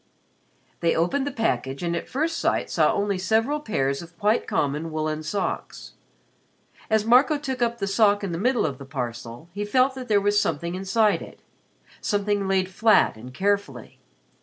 They opened the package and at first sight saw only several pairs of quite common woolen socks. As Marco took up the sock in the middle of the parcel, he felt that there was something inside it something laid flat and carefully.